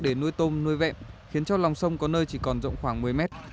để nuôi tôm nuôi vẹm khiến cho lòng sông có nơi chỉ còn rộng khoảng một mươi mét